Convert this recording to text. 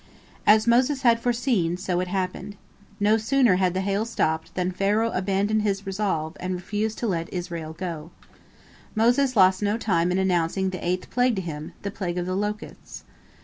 As Moses had foreseen, so it happened. No sooner had the hail stopped than Pharaoh abandoned his resolve, and refused to let Israel go. Moses lost no time in announcing the eighth plague to him, the plague of the locusts.